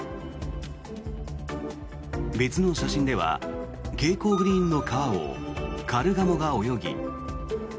別の写真では蛍光グリーンの川をカルガモが泳ぎ。